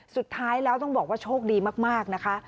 สุดท้ายแล้วต้องบอกว่าโชคดีมากนะคะ